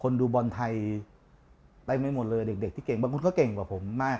ดูบอลไทยเต็มไปหมดเลยเด็กที่เก่งบางคนก็เก่งกว่าผมมาก